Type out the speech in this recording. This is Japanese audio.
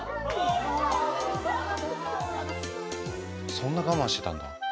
そんな我慢してたんだ。